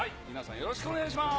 よろしくお願いします。